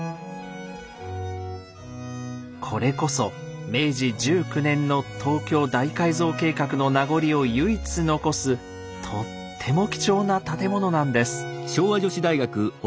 これこそ明治１９年の東京大改造計画の名残を唯一残すとっても貴重な建物なんです。